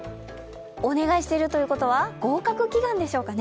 お願いしているということは合格祈願でしょうかね。